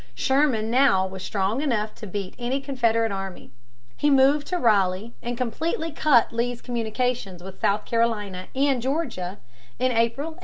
Sherman now was strong enough to beat any Confederate army. He moved to Raleigh and completely cut Lee's communications with South Carolina and Georgia, April, 1865.